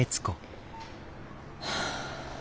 はあ。